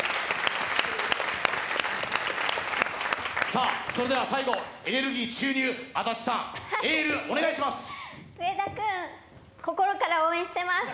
さあ、それでは最後、エネルギー注入、安達さん、お願いします。